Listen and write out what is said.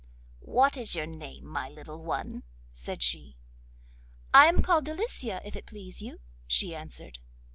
'What is your name, my little one?' said she. 'I am called Delicia, if it please you,' she answered.